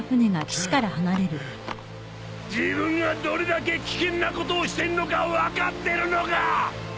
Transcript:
自分がどれだけ危険なことをしてるのか分かってるのか！